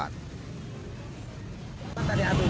bapak tadi ada posisi yang terkipas